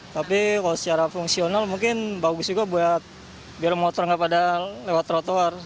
tapi kalau secara fungsional mungkin bagus juga buat biar motor nggak pada lewat trotoar